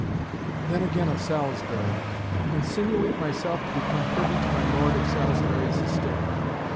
Then, again, of Salisbury "Insinuate myself to become privy to my Lord of Salisbury's estate."